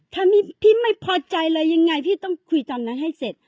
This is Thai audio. ถ้าพี่ไม่พอใจเลยยังไงพี่ต้องคุยตอนนั้นให้เสร็จ